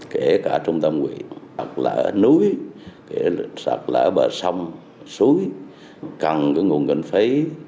kể cả trung tâm huyện sạt lở núi sạt lở bờ sông suối cằn cái nguồn gần phấy